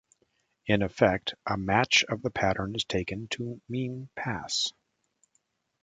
In effect, a match of the pattern is taken to mean pass.